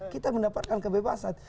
kita mendapatkan kebebasan